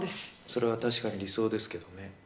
それは確かに理想ですけどね。